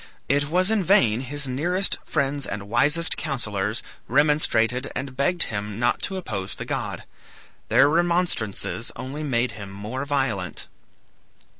It was in vain his nearest friends and wisest counsellors remonstrated and begged him not to oppose the god. Their remonstrances only made him more violent.